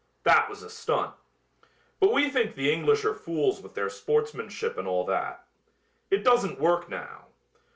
That was a stunt. But we think the English are fools with their sportsmanship and all that. It doesn't work now.